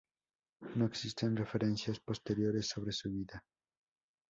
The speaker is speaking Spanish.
No existen referencias posteriores sobre su vida.